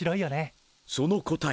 ・その答え